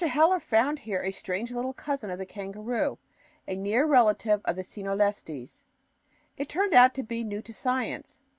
Heller found here a strange little cousin of the kangaroo, a near relative of the coenolestes. It turned out to be new to science.